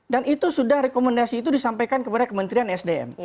dan itu sudah rekomendasi itu disampaikan kepada kementerian sdm